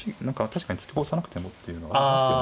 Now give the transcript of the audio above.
確かに突き越さなくてもっていうのはありますよね。